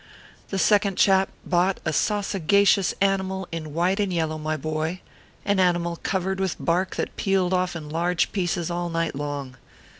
The second chap bought a sausagacious animal in white and yellow, my boy an animal covered with bark that pealed off in large pieces all night long.